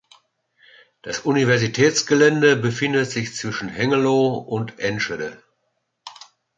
Das Universitätsgelände befindet sich zwischen Hengelo und Enschede.